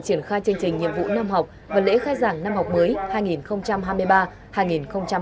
triển khai chương trình nhiệm vụ năm học và lễ khai giảng năm học mới hai nghìn hai mươi ba hai nghìn hai mươi bốn